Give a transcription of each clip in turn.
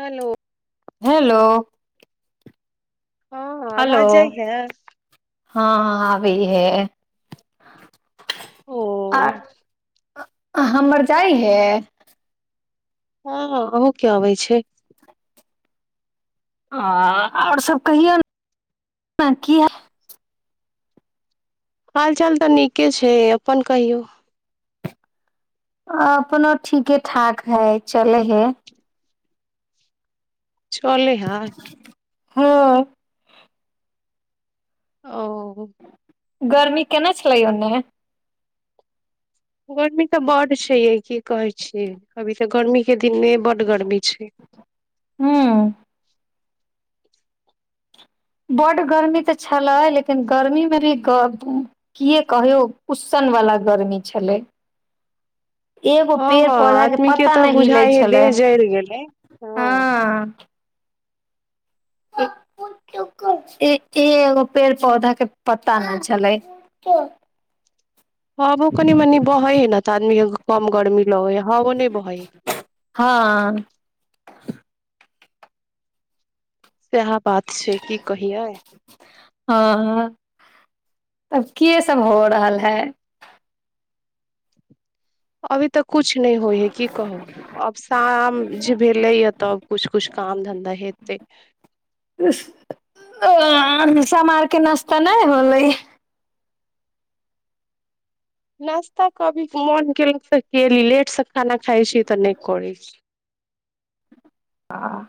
Hello hello हँ hello आबाज जाय ये हँ हँ आबै ये ओ हमर जाइ ए हँ अहुं केअबै छै आ आओर सब कहियौ ने क ह हाल चाल तऽ नीके छै अपन कहियौ अपनो ठीके ठाक हय चलै हय चले हय हँ ओ गर्मी केना छलै ओन्ने गवर्नमेंट तऽ बड़ छै। की कहि छी? अभी तऽ गर्मीके तने बड गर्मी छै। ह बड़ गर्मी तऽ छलै, लेकिन गर्मीमे सेहो की कहियौ, बहुत उसनगर गर्मी छलै। एगो हँ, पेड़ हँ पौधा आदमीे के पता तऽ नहि हिलै बुझाइ हे, छलै देह जरि गेलै हँ ई तऽ एगो पेड़-पौधो तक नहि हिलै छलै। हब कनि मननि बै हँ ने, तऽ आदमीकेँ नीक लगै छै। कम गरमी ल य ह ओ नहि बहइ आ सएह बात छै की कहियै हँ, आब की सभ भऽ रहल छै? अभी तऽ किछु नहि होइ छै। की कहू, आब साँझ भेले पर किछु-किछु हवा चलै छै। काम धन्धा हत समारके नाश्ता नहि होलै। नास्तो अभी मोन नहि करै छै। की, लेटसँ खाना खाइ छी, तऽ नास्ता नहि करै छी। हँ,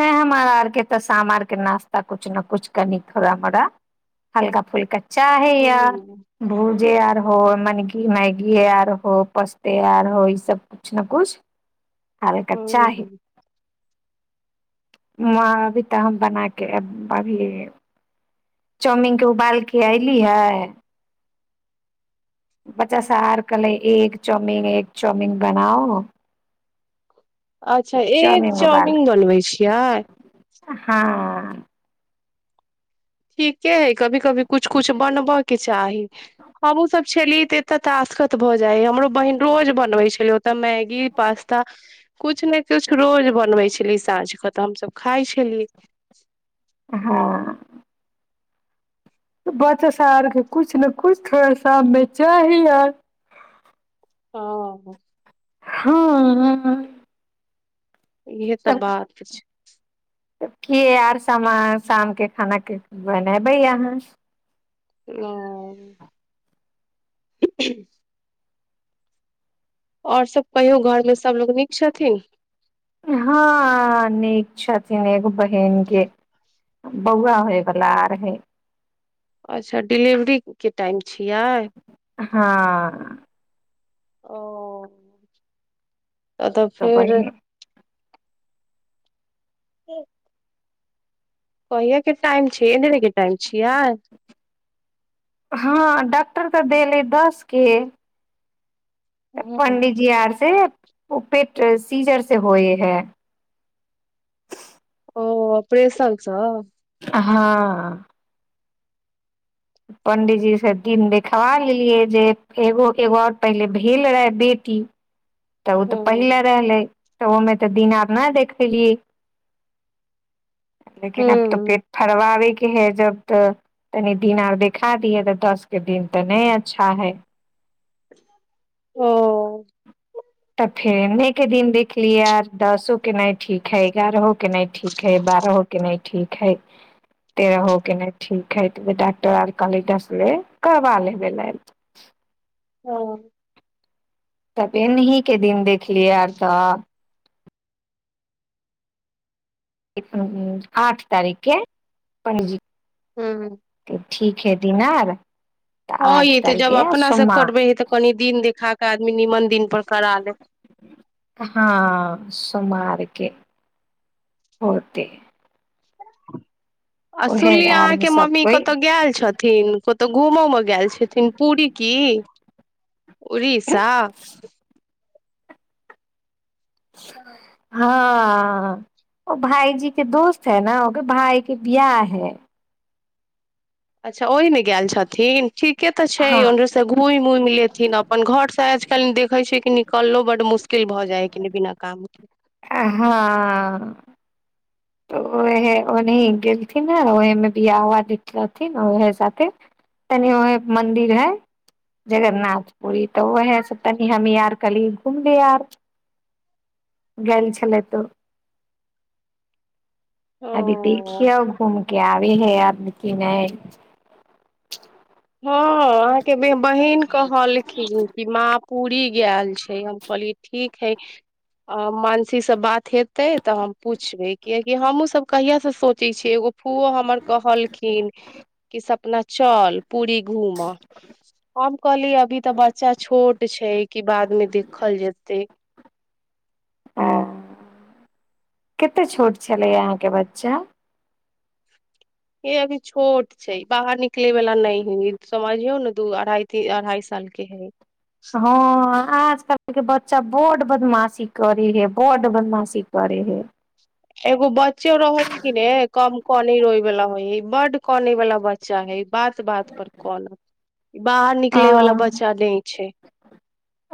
हमरा आरके तऽ साँझमे नास्तामे किछु ने किछु, कनि-थोड़ा हल्का-फुल्का खाइ छी। चाहे यार हूँ भुजा जे आर हो मैगी, पोस्ता, आर हो किछु ने किछु हल्का-फुल्का खाइ छी। हरे कच्चा ह हूँ आब तऽ हम चाउमीन उबालि कऽ अयली हँ। बच्चा सभ कहै लगल, एकटा चाउमीन बनाउ, एकटा चाउमीन बनाउ। अच्छा एग चाउमीन बनबै छियै हँ ठीके हइ। कहियो-कहियो किछु ने किछु बनबयके चाही। हमहूँसभ जखन एतय छलियै, तऽ साँझकेँ तासखत भऽ जाइत छल। हमर बहिन रोज मैगी, पास्ता आ किछु ने किछु बनबैत छलै, तऽ हमसभ साँझकेँ मिलि कऽ खाइत छलियै। हँ बच्चा आरके तऽ साँझमे किछु ने किछु थोड़ा-बहुत खाइके चाही आर। ह हँ हँ इहे तऽ बात छै तऽ की आर सामान शामके खानाके बनेबै अहाँ ओ [inaudible] आओर सभ कहियो घर मे सबलोग नीक छथिन हँ नीक छथिन एगो बहन के बौआ होयवला आर है अच्छा डिलिवरी के टाइम छियै हां ओ तऽ फिर एक कहहिए क टाइम छै ए ले टाइम छै यार हँ डॉक्टर तऽ देलै दसके तऽ हँ पंडितजी आर से ओ पेट सीजर से होए हय ओ अपरेशन सँ हँ पण्डीजीसँ दिन देखबा लेलियै जे एगो एगो आओर पहिले भेल रहए बेटी तऽ ओ तऽ पहिले हूँ रहलै तऽ ओहिमे तऽ दिन आर नहि देखेलियै लेकिन अब तऽ पेट फरबाबैग के हे जब तऽ तनि दिन आर देखा दिये तऽ दस के दिन तऽ नहि अच्छा है ओ तऽ फेर एन्नहँके दिन देखलियै आर दसोके नहि ठीक हइ एगारहोके नहि ठीक हइ बारहहोके नहि ठीक हइ तेरहहोके नहि ठीक हइ तऽ डॉक्टर आर कहलै दस बेे करबा लेबै ल ओ तऽ पेनह के दिन देखलियै आर तऽ आठ तारीख के हँ ह ठीक हे दिन आर तऽ हँ आठ ई तऽ तारीख जब के अपना से सोमवार करबे हे तऽ कनि दिन देखा कऽ आदमी निमन दिन पर करा ले हँ के होत आ सुनलियै आर मे अहाँके सब मम्मी कोइ कतहु गेल छथिन कतहु घूमो मे गेल छथिन पूरी की हँ उड़ीसा हँ हँ ओ भायजी के दोस्त हय न ओकर भाय के बिआह हय ओहि ने गेल छथिन ठीके ते छै हँ ओने से घुमि उमि लेथिन अपन घर से कनि देखै छियै कि निकललो बड मुश्किल भऽ जाइ ह कि बिना काम के हँ तऽ उएहे ओनाह गेलथििन हे ओहमे बिय उआ नख रहथिन उएह साथे तनि ओह मन्दिर हइ जगन्नाथपुरी तऽ उएहसँ तनि हमी आर कहलियी घुमली आर गेल छलै तऽ अभी ओ देखिए घूम के आब ी हे आर नक नहि हँ अहाँके बहन कहलखिन कि माँ पूरी गैल छै हम कहलियै ठीक है मानसीसँ बात हेतै तऽ हम पूछबै कियकि हमहूँ सब कहियासँ से सोचै छियै एगो फूओ हमर कहलखिन कि सपना चल पूरी घूमऽ हम कहली अभी तऽ बच्चा छोट छै कि बाद मे देखल जेतै ह कते छोट छलै अहाँके बच्चा हे अभी छोट छै बाहर निकले वला नहि हए समझियौ ने दू अढ़ाए अढ़ाई साल के हय हँ आजकलके बच्चा बड बदमाशी करे है बड बदमाशी करे है एगो बच्चो रहै हय कि ने कम कने रोय बाला होइ है बर्ड काने वाला बच्चा है बात बात पर कानत बाहर आ निकले वाला बच्चा नहि छै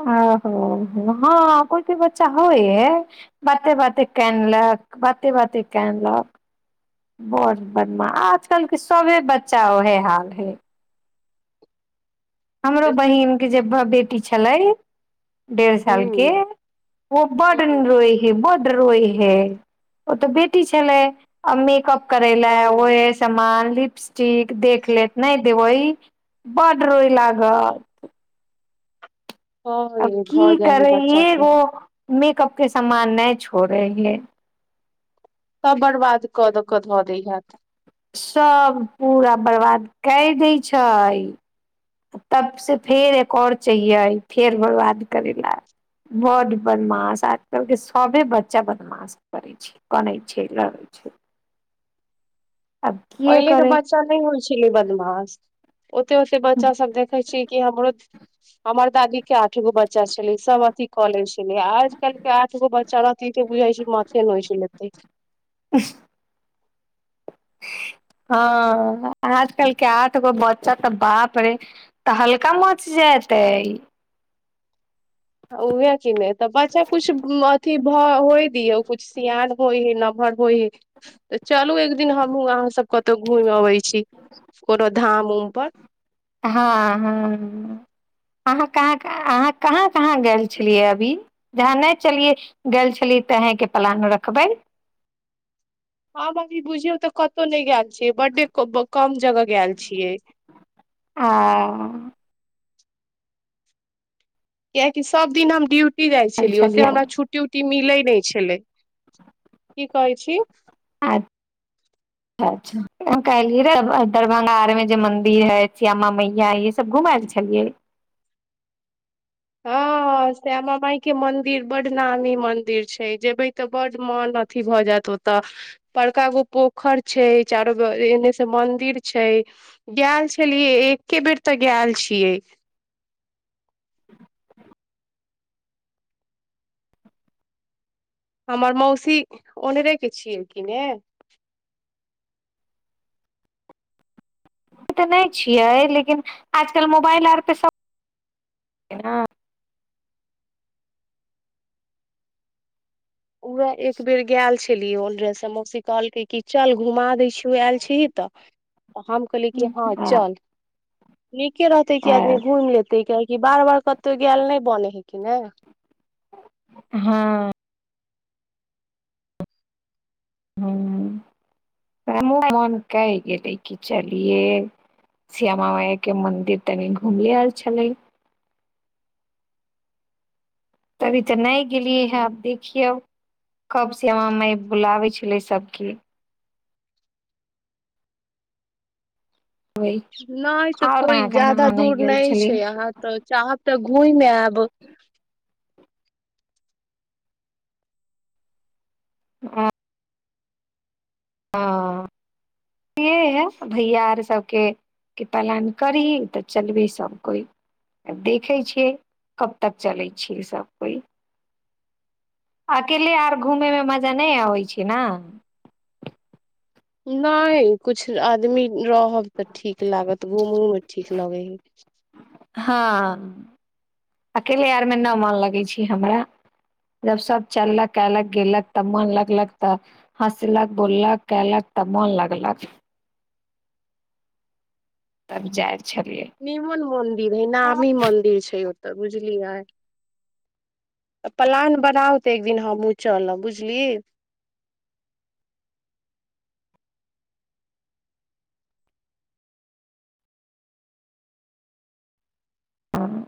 ओ हो हो हँ कोइ कोइ बच्चा होइ हइ बाते बाते कानलक बाते बाते कानलक बड बढ़िआँ आजकलके सभे बच्चा उएहे हाल हइ हमरो बहिन के जे बेटी छलै डेढ़ साल के हूँ ओ बड हूँ रोय हे बड रोए हे ओ तऽ बेटी छलै आ मेकअप करैला हँ ओहे सामान लिपस्टिक देख लेत नहि देबै बड रोई लाग गत हँ अब यै भऽ की जाइ हय करै बच्चा एगो सब मेकअप के सामान नहि छोड़े है तब बर्बाद करके दऽ दै है सभ पूरा बरबाद कय दै छै तबसँ फेर एक आर चाहियै फेर बरबाद करय ल बड्ड बदमाश आजकलके सभे बच्चा बदमाश करै छै कनै छै लड़ै छै आब किए पहिलेके करे बच्चा नहि होइ छलै बदमाश ओते ओते बच्चा सब देखै छियै कि हमरो हमर दादी के आठ गो बच्चा छलै सभ अथी कऽ ले छलै आज कल के आठ गो बच्चा रहतै तऽ बुझाए छै माथे नौइच लेतै [unintelligible] हँ आजकल के आठ गो बच्चा तऽ बाप रे तहल्का मच जेतै ओहे कि नै तऽ बच्चा कुछ अथी होय दिय कुछ सियान होइ हे नमहर होय हे तऽ चलू एक दिन हमहु अहाँ सब कतौ घुमि अबे छी छी कोनो धाम उम पर हँ हँ अहाँ कहाँ कहाँ अहाँ कहाँ कहाँ गेल छलियै अभी जहाँ नहि चलियै गेल छलियै तहँके प्लान रखबै हँ अभी बुझियौ तऽ कत नहि गेलल बड कम जगह गेल छियै आ कियाकि सब दिन हम ड्यूटी टी जाइ छलियै ओते हमरा छट्टी उट्टी मी बिलै नहि छल किी कहै छी अच्छा-अच्छा। कहलियै रहए ने, दरभंगामे जे श्यामा मायके मन्दिर हइ, ओ सभ घुमाय लेल गेल छलियै। हँ, श्यामा माइके मन्दिर बड्ड नामी मन्दिर छै। जेयबै तऽ बड्ड मन प्रसन्न भऽ जायत। ओतय बड़का गो पोखरि छै, चारू कात मन्दिर छै। हम एक्के बेर ओतय गेल छियै। हमर मौसी ओनहि रहै छथि ने? तऽ नहि छियै लेकिन आजकल मोबाइल आर तऽ सब [unintelligible] न उरा एक बेर ग छै ओहि समय मौसी कहलकै, चल, घुमा दै छी। आयले छीही तऽ। तऽ हम कहली कि हँ चल नीके रहै छै। आदमी घूमि लेत तऽ नीक लागै छै, काहेकि बार-बार कतौ जायबो नहि होइ छै। बने ह क हँ हँ, हमहूँक मोन कहलकै जे चलियै, श्यामा माइके मन्दिर तनि घुमि अयल जाय। तखन हमसभ ओतय घुमय गेल छलियै। [unintelligible] तऽ नहि गेलियै हूँ हे अब देखियौ कब श्यामा माइ सभकेँ बुलाबै छथि, से केओ नहि जनै छै। नहि तऽ, आओर कोनो कहाँ बेसी कहाँ दूर गेल नहि छली छै। जखन चाहब, तखन घूमि आयब। हँ हँ, ई तऽ हइ भैया। आर सभकेँ जँ मन करतै तऽ चलब। देखै छी, सभकेँ कहियासँ समय भेटै छै। अकेले घूमयमे तऽ मजा नहि अबै छै ने। नहि, किछु आदमी रहत तऽ घूमयमे नीक लागत। एक-दोसरासँ गप्पो होइत रहै छै, तखन घूमयमे बेसी मजा अबै छै। हँ, अकेले हमरा मन नहि लगै छै। जखन सभ संग चललक, गप्प-गोष्ठी भेल, हँसी-मजाक भेल, तखन मोन खूब लगलक। त विचार नीक मन्दिर हइ, बड्ड नामी मन्दिर छै। तऽ बुझलिए तऽ प्लान बनाउ तऽ एक दिन हमहूँ चलब बुझलियी हँ